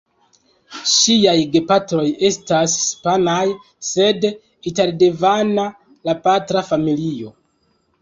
Ŝiaj gepatroj estas hispanaj sed italdevena la patra familio.